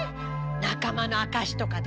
仲間の証しとかで。